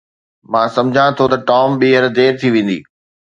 مان سمجهان ٿو ته ٽام ٻيهر دير ٿي ويندي